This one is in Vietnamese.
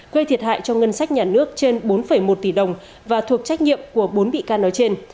gây thiệt hại cho ngân sách nhà nước trên bốn một tỷ đồng và thuộc trách nhiệm của bốn bị can nói trên